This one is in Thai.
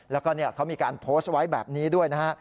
แล้วก็เขามีการโพสต์ไว้แบบนี้ด้วยนะฮะ